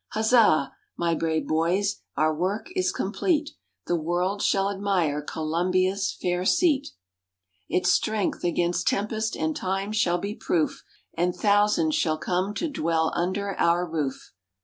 _ Huzza! my brave boys, our work is complete, The World shall admire Columbia's fair seat; _Its strength against tempest and time shall be proof; And thousands shall come to dwell under our roof.